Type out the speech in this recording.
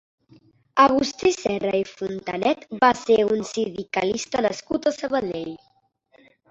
Agustí Serra i Fontanet va ser un sindicalista nascut a Sabadell.